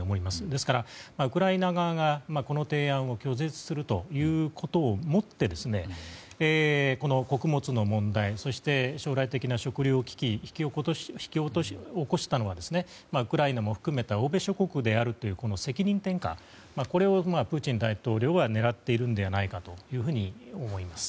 ですから、ウクライナ側がこの提案を拒絶することをもってこの穀物の問題そして将来的な食料危機を引き起こしたのはウクライナも含めた欧米諸国だという責任転嫁をプーチン大統領は狙っているんじゃないかと思います。